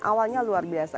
awalnya luar biasa